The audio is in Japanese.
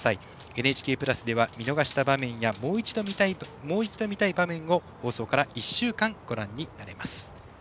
「ＮＨＫプラス」では見逃した場面やもう一度見たい場面を放送から１週間ご覧になれます。